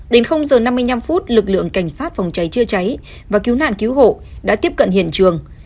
đến giờ năm mươi năm phút lực lượng cảnh sát phòng cháy chữa cháy và cứu nạn cứu hộ đã tiếp cận hiện trường